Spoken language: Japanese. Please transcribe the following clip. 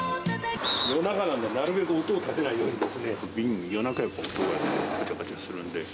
夜中なんで、なるべく音を立てないようにですね、瓶、夜中やっぱ音ががちゃがちゃするんで。